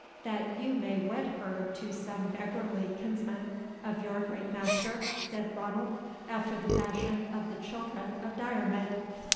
"That you may wed her to some beggarly kinsman of your great master," said Ranald, "after the fashion of the Children of Diarmid!